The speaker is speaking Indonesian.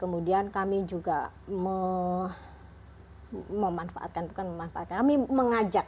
kemudian kami juga memanfaatkan